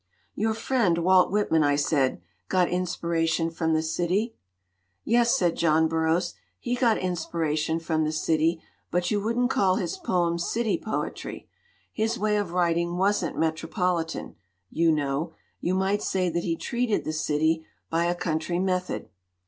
"Your friend, Walt Whitman," I said, "got inspiration from the city." "Yes," said John Burroughs, "he got inspira tion from the city, but you wouldn't call his poems city poetry. His way of writing wasn't metropoli tan, you know; you might say that he treated the city by a country method.